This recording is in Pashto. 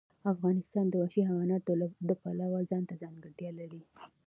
افغانستان د وحشي حیوانات د پلوه ځانته ځانګړتیا لري.